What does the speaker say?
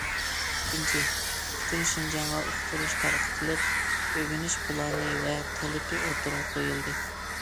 ئىككىنچى، پۈتۈن شىنجاڭغا ئۇقتۇرۇش تارقىتىلىپ، ئۆگىنىش پىلانى ۋە تەلىپى ئوتتۇرىغا قويۇلدى.